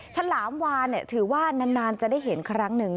ฉลามวานถือว่านานจะได้เห็นครั้งหนึ่ง